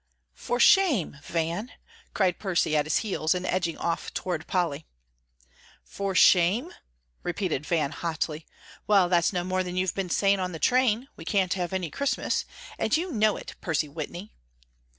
"For shame, Van!" cried Percy at his heels, and edging off toward Polly. "For shame?" repeated Van, hotly; "well, that's no more than you've been saying on the train, 'we can't have any Christmas,' and you know it, Percy Whitney."